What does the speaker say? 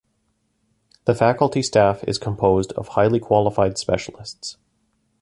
The Faculty staff is composed of highly qualified specialists.